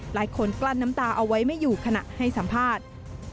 กลั้นน้ำตาเอาไว้ไม่อยู่ขณะให้สัมภาษณ์